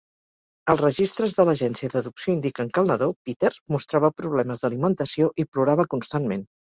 Els registres de l'agència d'adopció indiquen que el nadó, Peter, mostrava problemes d'alimentació i plorava constantment.